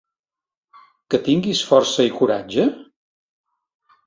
Que tinguis força i coratge?